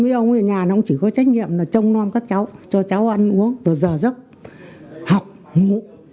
mấy ông ở nhà nó cũng chỉ có trách nhiệm là trông non các cháu cho cháu ăn uống rồi giờ giấc học ngủ